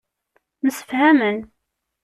Msefhamen.